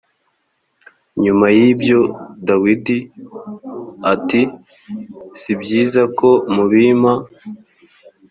nyuma y ibyo dawidi at sibyiza ko mubim